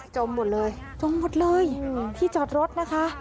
หมดเลยจมหมดเลยที่จอดรถนะคะ